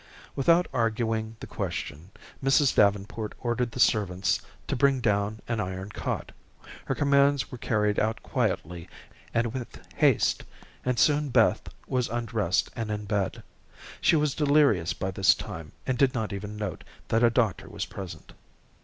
Without arguing the question, Mrs. Davenport ordered the servants to bring down an iron cot. Her commands were carried out quietly and with haste, and soon Beth was undressed and in bed. She was delirious by this time, and did not even note that a doctor was present.